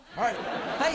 はい。